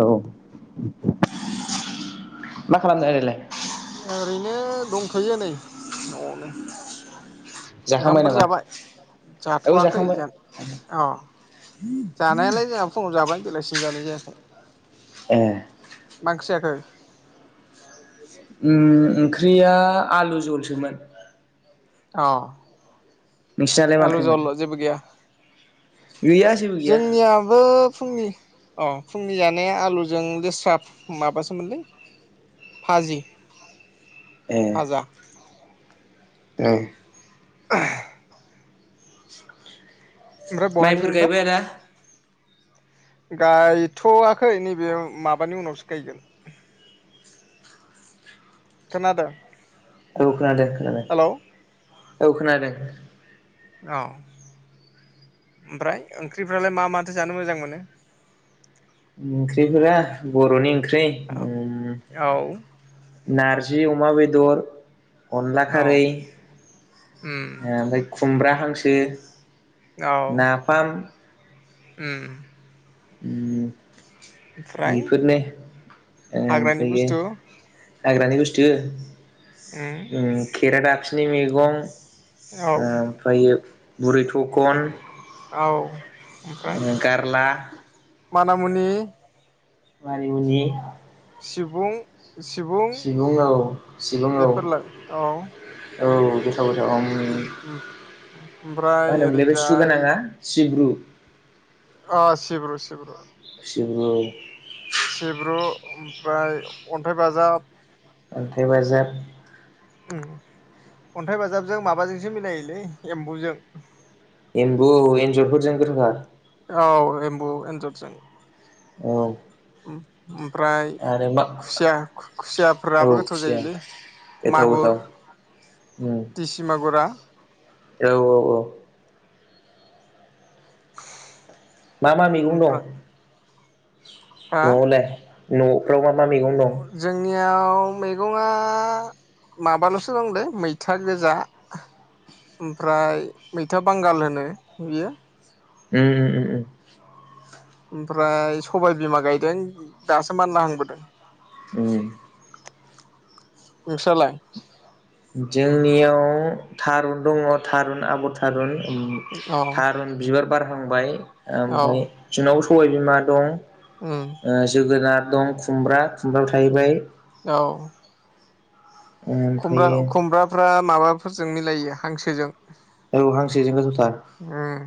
औ। मा खालामनो आरोलाय? ओरैनो दंथयो नै नआवनो। जाखांबाय ओंखामफोर नामा जाबाय औ जाथवाखै जाखांबाय जेन अ जानायालाय जोंना फुङाव जाबाय। बेलासेनि जानाय जायाखै। ए मा ओंख्रि जाखो? ओं ओंख्रिया आलु जलसोमोन। औ। नोंसिनालाय मा ओंख्रिमोन? गैया जेबो गैया जोंनियाबो। फुंनि अ फुंनि जानाया आलुजों लोस्रा माबासोमोनलै भाजि। ए। भाजा ओं। ओह। ओमफ्राय माइफोर बहानिमोनबा गायबाय आदा? गायथ'वाखै नैबे माबानि उनावसो गायगोन। खोनादो? आौ खोनादो खोनादो। औ खोनादों। औ ओमफ्राय ओंख्रिफ्रालाय मा माथो जानो मोजां मोनो? ओंख्रिफोरा बर'नि ओंख्रि। अह उम औ। नारजि अमा बेदर अनला औ खारै ओ उम ओमफाय खुमब्रा हांसो। नाफाम। ओम। ओम। बेफोरनो हाग्रानि ओमफायो। बुस्थु हाग्रानि बुस्थु? उम ओम केरादाफ फिनि मैगं। औ ओ फ्रायो। बुरै थकन। औ। ओमफ्राय ओ गारला। मानामुनि। मानि मुनि। सिबुं। सिबुं औ सिबुं औ-औ बेफोरलाय औ गोथाव गोथाव आओम मा ओमफ्राय होनोमोनलाय बे सु ओरैजाय गोनाङा सिब्रु। [inaudible] अ सिब्रु-सिब्रु। सिब्रु औ। सिब्रु ओमफ्राय अन्थाइ बाजाब। अन्थाइ बाजाब। ओम अन्थाइ बाजाबजों माबाजोंसो मिलायोलै एम्बुजों। एम्बु एन्जरफोरजों गोथावथार। औ एमबु एनजरजों औ उम ओमफ्राय आरो मा खुसिया खु-खु औ खुसियाफोराबो गोथाव खुसिया जायोलै गोथाव गोथाव मागुर उम दिसि मागुरा औ औ औ मा मा मेगं दं ओमफ्राय हा न'आवलाय न' फ्राव मा मा मेगं दं याव मैगङा माबाल'सो दंलै मैथा गोजा आ ओमफ्राय मैथा बांगाल होनो बियो उम उम उम उम ओमफ्राय सबाय बिमा गायदों [inaudible] दासो मानला हांबोदों उम नोंस्रालाय जोंनियाव थारुन दङ थारुन आगर थारुन ओम औ थारून बिबार बारहांबाय औ ओमफाय [unintelligible] सबाय बिमा दं उम ओ जोगोनार दं खुमब्रा खुमब्राबो थायबाय। औ। खुमब्रा ओमफ्रायो खुमब्राफ्रा माबाफोरजों मिलायो हांसोजों। औ हांसोजों गोथावथार। उम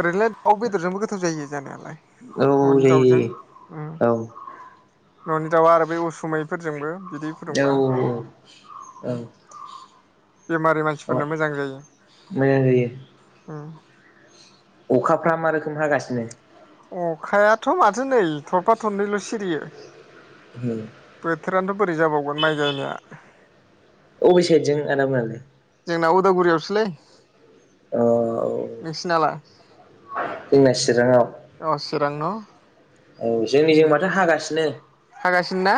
ओरैनोलाय दाउ बेदरजोंबो गोथाव जायो। जानायालाय औ न'नि जायो दाउजों उम। औ न'नि दाउआ आरो बे उसुमैफोरजोंबो बिदै फुदुंबा औ बेमारि औ मानसिफोरनो मोजां जायो मोजां जायो उम। अखाफ्रा मा रोखोम हागासिनो? अखायाथ' माथो नै थरफा थरनैल' सिरियो। उम। बोथोरानोथ' बोरै जाबावगोन माइ गायनाया। अबे साइडजों आदामोनालाय? जोंना उदालगुरियावसोलै। अ औ नोंसिनालाय? जोंना चिराङाव चिरां न'। औ जोंनि जों माथो' हागासिनो हागासिनो ना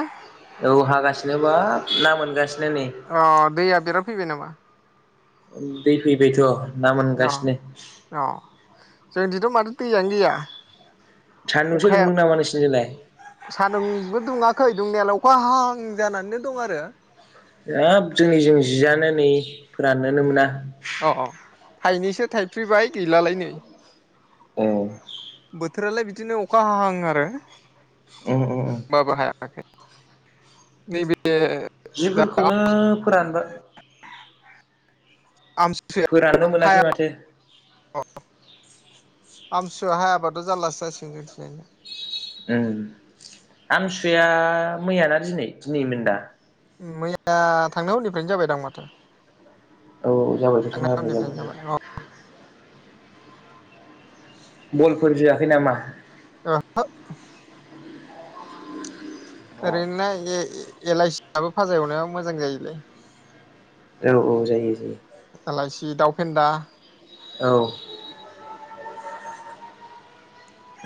औ हागासिनो। बाब ना मोनगासिनो। नै अ दैया बिराद फैबाय नामा? दै फैबायथ'। ना मोनगासिनो। जों दिथ' माथो दैयानो गैया। सान्दुंसो अखाया दुंदों नामा नोंसिनिजोंलाय सानदुंबो दुङाखै। जोंनियाव अखा हाहां जानानैनो दं आरो। हाब जोंनि जों जियानो नै फोराननोनो मोना। अ अ। थाइनैसो थाइफ्रिबाय गैलालाय नै। औ। बोथोरालाय बिदिनो अखा हाहां आरो। उम उम उम‌। [unintelligible] जि दा फोरखौनो फोरानदो। आमथिसुवाया फोराननो मोनासै माथो। आमसुवायाव हायाबाथ' जारलासो जासिगोन जोंनिथिजाय ना। उम आमथिसुवाया मैयाना दिनै दिनैमोन दा? मैया थांनाय हरनिफ्रायनो जाबाय दं माथो औ जाबाय थांनाय हरनिफ्रायनो जाबाय औ [unintelligible] बलफोर जोआखै नामा ओ [inaudible] औ ओरैनो लाय ए-ए एलाइसिआबो भाजा एवनायाव मोजां जायोलै औ औ जायो जायो एलाइसि दाउ फेन्दा औ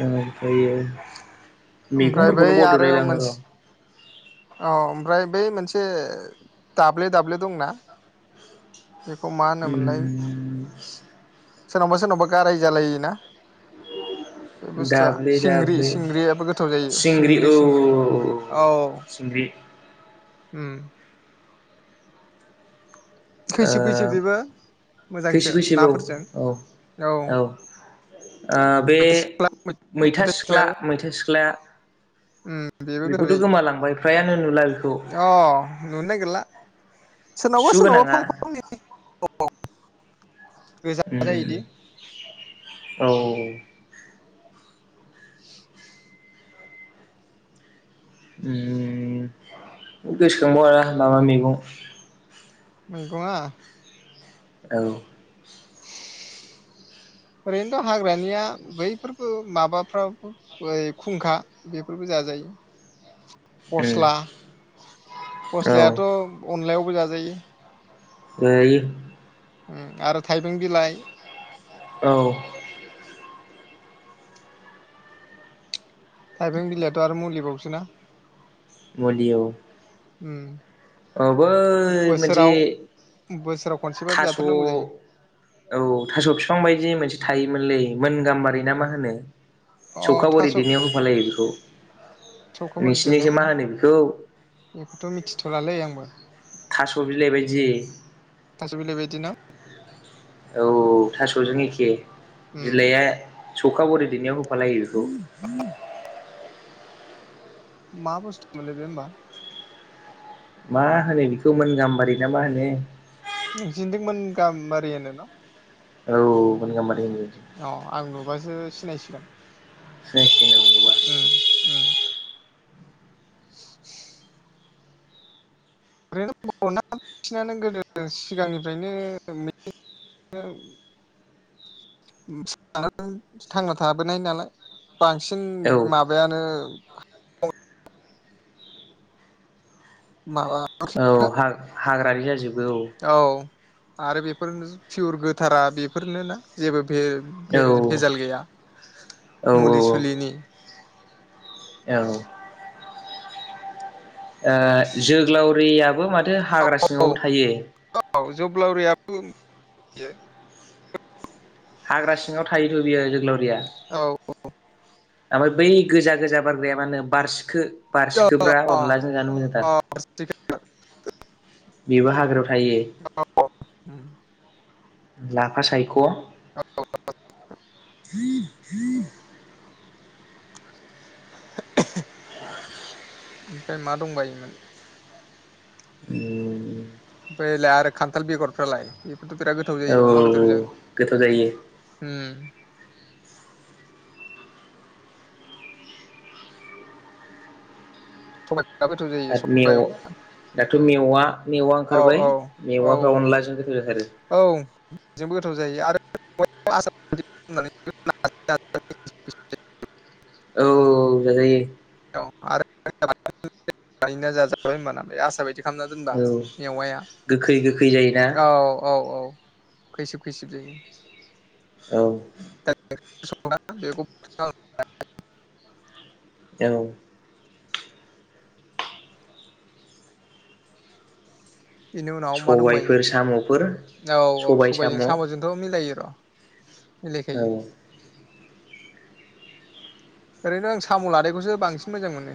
अम फैयो मैगं ओमफ्राय बै फोरखौनो आरो बावदलाय लांङो मोनसे र' औ ओमफ्राय बै मोनसे दाब्ले-दाब्ले दंना बेखौ मा होनोमोनलाय उम सोरनावबा-सोरनावबा गाराय जालोना बे बुस्थुआ दाब्ले दाब्ले सिंग्रि-सिंग्रियाबो गोथाव जायो सिंग्रि औ सिंग्रि-सिंग्रि औ औ सिंग्रि अम ओ खैसिब खैसिब बेबो मोजांसो खैसिब-खैसिब औ नाफोरजों औ ओ बे मैथा सिख्ला मैथा सिख्ला सिख्लायाबो मैथा सिख्ला उम बेबो गोथाव बेखौथ जायो गोमालांबाय फ्रायानो नुला बेखौ। सु सोरनावबा-सोरनावबा गोनाङा फांफा फांनै गोजा जायोदि औ औ औ अम गोसोखांग हाया मा मा मेगं मेगंआ औ ओरैनोथ हाग्रानिया बैफोरबो माबाफ्राब खुंखा बेफोरबो जाजायो। औ फस्ला-फस्लायाथ अनलायाव बो जा जायो। [unintelligible] अम आरो थाइबें बिलाइ औ थाइबें बिलाइथ आरो मुलिबावसो ना। मुलि औ अम औ बै मोनसे बोसोराव खनसेबाबो थास' औ जाथारनांगौ जायो थास' बिफां बायदि मोनसे थायो। मोनलै मोन गाम्बारि ना मा होनो। अ सौखााबोरै थास' दैनायाव होफालायो बेखौ सौखाबोरै नोंसिोरनिसो मा देरनायावनो होनो बेखौ होलालै आंबो थास बिलाइ बायदि। थास' बिलाइ बायदि ना औ थासजों एखे उम बिलाया सौखा बरि दैेनायाव होफालायो। [unintelligible] मा बुस्थु मोनलाय बे होमबा। मा होनो बेखौ मोन गाम्बारि ना मा होनो? नों जेन्दोंमोन गामबारिया नो न' औ मोनगा अ आं नुबासो सिनायसिगोन। है ओम-ओम ओरैनो बांसिनानो गोदो सिगांनिफ्रायनो [unintelligible] थाबोनाय नालाय। बांसिन औ माबायानो। [inaudible] माबा औ हाग्रानि [unintelligible] औ आरो बेफोरनो पियर गोथारा बेफोरनो ना जेबो औ भेजाल गैया औ मुलि सुलिनि औ ओ जोग्लावरियाबो माथो औ हाग्रा औ सिङाव थायो। औ जोब्लावरियाबो [unintelligible] हाग्रा सिङाव थायोथ' बियो जोग्लावरि रिया औ ओमफाय बै गोजा गोजा बारग्राया मा होनो बारसिखो अ बारसिखोब्रा अ अनलाजों जानो मोजांथार। अ बेबो हाग्रायाव थायो। ओमफ्राय लाफा सायख' [inaudible] [inaudible] ओमफ्राय मा दंबायोमोन ओम ओमफ्रायलाय आरो खान्थाल बेगरफ्रालाय [unintelligible] गोथाव औ जायो अमा औ बेदरजों गोथाव जायो ओम [unintelligible] जायो आरो मेव सबाइ दाथ मेवआ मेवा औ ओंखारबाय औ औ मेवाफ्रा अनलाजों गोथाव जाथारो औ बेजोंबो गोथाव जायो आरो [unintelligible] औ जाजायो औ आरो [unintelligible] जाजाबाय होनबाना बे आसार बायदि खालामना दोनबा औ मेवाया गोखै गोखै जायोना औ औ औ खैसिब खैसिब जायो औ [unintelligible] बेखौ [unintelligible] ए औ बेनि उनाव मा सबायफोर साम'फोर दंबायोमोन औ औ सबाय सबायजों साम' औ सामजोंथ मिलायो [unintelligible] मिलायखायो ओरैनो आं साम' लादाइखौसो बांसिन मोजां मोनो।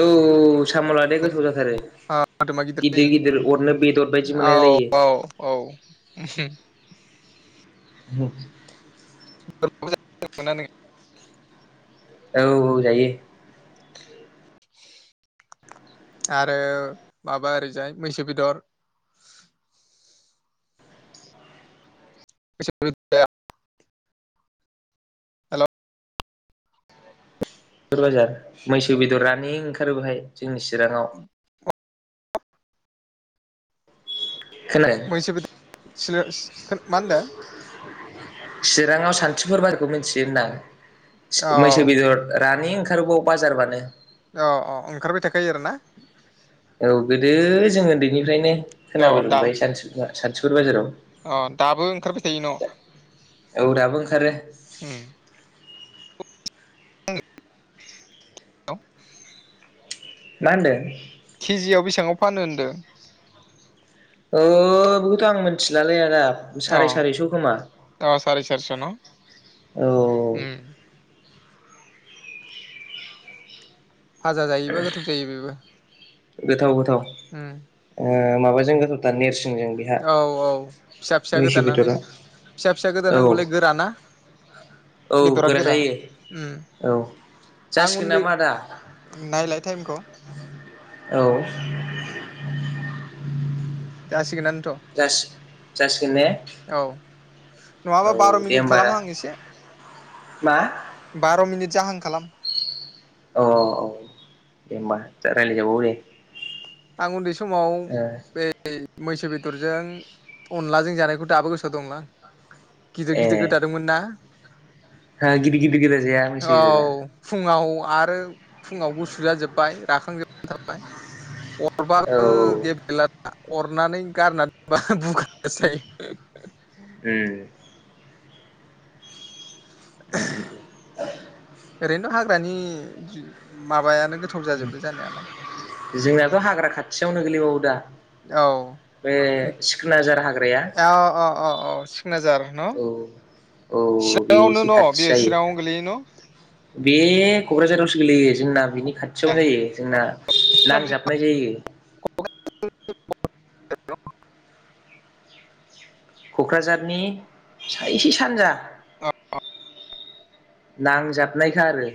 औ औ साम' लादाइआ गोथाव जा [inaudible] गिदिर जायो अरनो बेदर औ बायदि मोनलाय औ लायो औ ओम हु [inaudible] [inaudible] [inaudible] औ औ जायो आरो माबा ओरैजाय मैसो बेदर, [inaudible] हेलौ [inaudible] बाजार मैसो बेदर रानिं ओंखारो बहाय जोंनि चिराङाव। खोनादों मैसो बेदर [inaudible] मा होनदों? चिराङाव सान्थिपुर [inaudible] खौ मिथियो अ होनदां मैसो बेदर रानिं ओंखारो बाव बाजारबानो अ अ ओंखारबाय थाखायो आरोना? औ गोदो जों उन्दैनिफ्रायनो अ दा खोनाबोदोंबाय सानतिपुरा सानथिपुर बाजाराव अ दाबो ओंखारबाय थायो न'? औ दाबो ओंखारो ओम [inaudible] मा होनदों? केजियाव बेसेबाङाव फानो होनदों? औ बेखौथ' आं मिथिलालै आदा। अ साराय सारिस' खोमा। अ साराय सारिस' न' औ औ औ उम भाजा जायोबा गोथाव जायो बेबो। गोथाव [inaudible] ओम। ओ माबाजों गोथावथार नोरसिं औ औ फिसा फिसा मैसो गोदानानानै बेदरा फिसा फिसा औ गोदानांगौलै गोराना। औ गोरा जायो। औ आं जासिगोन उन्दै नामा आदा? नायलाय टाइमखौ औ [inaudible] जासिगोनानो जासि जासि गोनने? औ नङाबा बार' मिनिट खालामो आं एसे मा बार' मिनिट जाहां खालाम। अ अ दे होमबा जा रायलाय जाबावो दे। आं उन्दै। समाव ओ बे मैसो बेदरजों अनलाजों जानायखौ दाबो गोसोआव दंलां। गिदिर गिदिर गोदादोंमोन ना? हा गिदिर गिदिर गोदा जाया मैसो औ बेदरा। फुङाव आरो फुङाव गुसु जाजोबबाय राखांजोबनानै थाबाय। औ अरबाबो गेबलेला दाना। अरनानै गारनानै दोनबा बुगानासो थायो। उ उ दानि माबानो। जोंनाथ' हाग्रा खाथियावनो गोलैबावो दा औ बे उम सिखोनाजार हाग्राया औ औ औ सिखनाजार न औ औ बे चिराङावनो एसे न खाथि बियो जायो चिराङावनो गोलैयो न बे क'क्राझारावसो गोलैयो। जोंना बिनि खाथियावनो जायो जोंना नांजाबनाय जायो। [inaudible] क'क्राझारनि सा इसे सानजा औ नांजाबनायखा आरो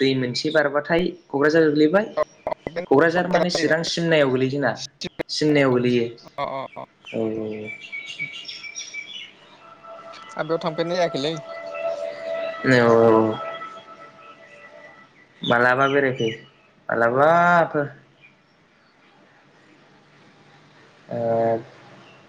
दै मोनसे बारबाथाय क'क्राझार झार गोग्लैबाय क'क्राझार माने चिरां सिमनायाव गोलैयो जोंना सिमनायाव गोलैयो अ अ औ औ आं बेयाव थांफेरनाय जायाखैलै औ औ मालाबा बेेराय फै मालाबाफोर ओ